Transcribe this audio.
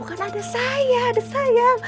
kan ada saya